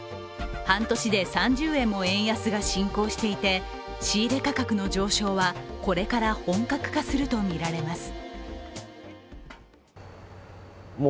半年で３０円も円安が進行していて、仕入れ価格の上昇はこれから本格化するとみられます。